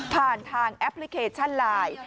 ผ่านทางแอปพลิเคชันไลน์